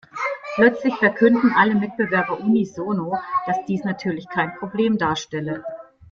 Plötzlich verkündeten alle Mitbewerber unisono, dass dies natürlich kein Problem darstelle.